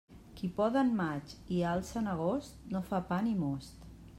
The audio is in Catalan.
Qui poda en maig i alça en agost, no fa pa ni most.